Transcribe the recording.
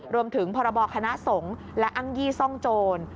รวมถึงพรบคณะสงฆ์และอังยีซ่องโจร